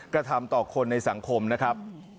กระทำต่อคนในสังคมนะครับ